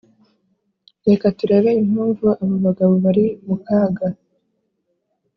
Reka turebe impamvu abo bagabo bari mu kaga